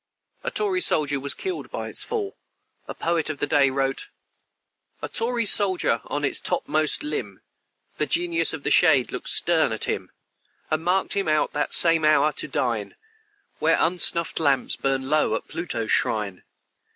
A tory soldier was killed by its fall. A poet of the day wrote: "A tory soldier, on its topmost limb The Genius of the Shade looked stern at him, And marked him out that same hour to dine Where unsnuffed lamps burn low at Pluto's shrine.